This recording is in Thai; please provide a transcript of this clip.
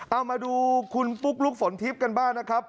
เอามาดูคุณปุ๊กลุ๊กฝนทิพย์กันบ้างนะครับ